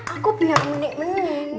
aku pilih mending mending